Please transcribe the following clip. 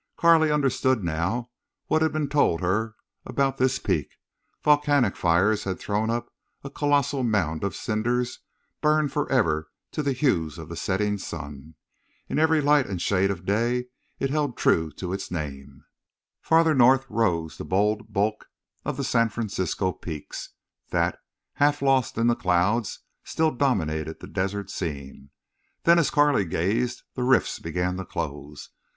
Carley understood now what had been told her about this peak. Volcanic fires had thrown up a colossal mound of cinders burned forever to the hues of the setting sun. In every light and shade of day it held true to its name. Farther north rose the bold bulk of the San Francisco Peaks, that, half lost in the clouds, still dominated the desert scene. Then as Carley gazed the rifts began to close.